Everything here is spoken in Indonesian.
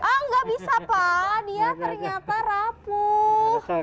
enggak bisa pak dia ternyata rapuh